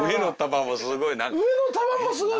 上の棚もすごい。